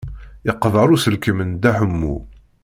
Yeqber uselkim n Dda Ḥemmu.